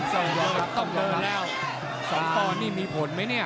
ค่ะสองตอนสองตอนนี้มีผลไหมนี่